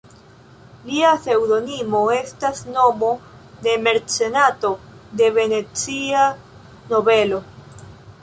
Lia pseŭdonimo estas nomo de mecenato, de Venecia nobelo.